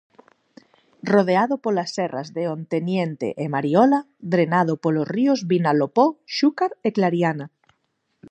Rodeado polas serras de Onteniente e Mariola, drenado polos ríos Vinalopó, Xúcar e Clariana.